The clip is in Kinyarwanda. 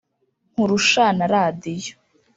nkurusha na radiyo,